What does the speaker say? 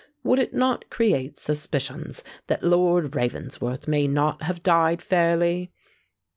would it not create suspicions that Lord Ravensworth may not have died fairly?